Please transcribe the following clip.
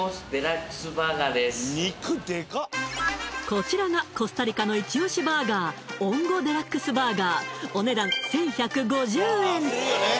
こちらがコスタリカのイチ押しバーガーオンゴ・デラックスバーガーお値段１１５０円